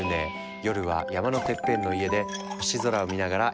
夜は山のてっぺんの家で星空を見ながら一杯。